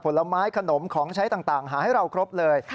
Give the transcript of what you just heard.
ผลไม้ขนมของใช้ต่างหาให้เราครบเลย